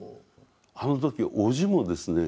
あの時おじもですね